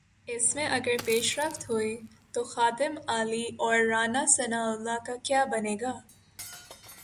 اس میں اگر پیش رفت ہوئی تو خادم اعلی اور رانا ثناء اللہ کا کیا بنے گا؟